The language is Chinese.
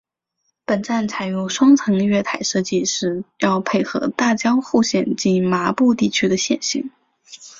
本站采用双层月台设计是要配合大江户线近麻布地区的线形。